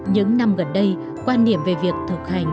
những năm gần đây quan niệm về việc thực hành